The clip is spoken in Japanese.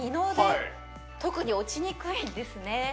特に落ちにくいんですね